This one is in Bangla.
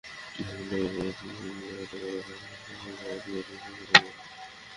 বৃক্ষমেলায় গেলে ছোট-বড় টবে রাখা এমন অসংখ্য ফলদ গাছ চোখে পড়বে।